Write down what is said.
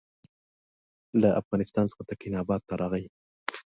له افغانستان څخه تکیناباد ته راغی.